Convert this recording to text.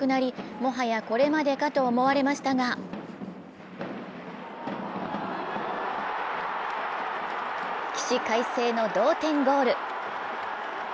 もはやこれまでかと思われましたが起死回生の同点ゴール。